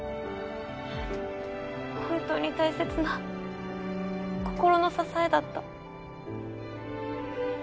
本当に大切な心の支えだった。